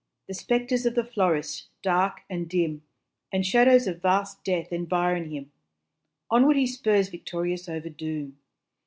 The spectres of the forest, dark and dim, And shadows of vast death environ him Onward he spurs victorious over doom.